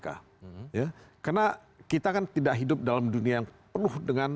karena kita kan tidak hidup dalam dunia yang penuh dengan